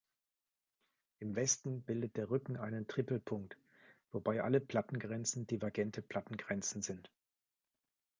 Im Westen bildet der Rücken einen Tripelpunkt, wobei alle Plattengrenzen divergente Plattengrenzen sind.